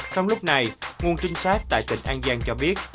trong lúc này nguồn trinh sát tại tỉnh an giang cho biết